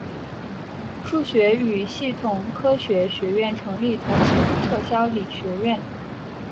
数学与系统科学学院成立同时撤销理学院。